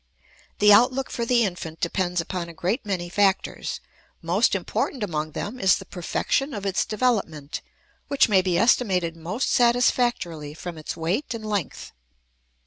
The outlook for the infant depends upon a great many factors. Most important among them is the perfection of its development, which may be estimated most satisfactorily from its weight and length.